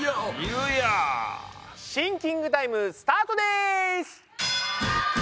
シンキングタイムスタートです！